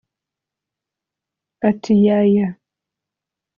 Ati “Yeah Yeah…